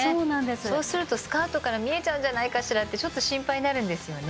そうするとスカートから見えちゃうんじゃないかしらってちょっと心配になるんですよね